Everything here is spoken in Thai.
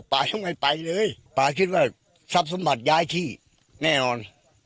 ป่ายังไม่ไปเลยป่าคิดว่าทรัพย์สมบัติย้ายที่แน่นอน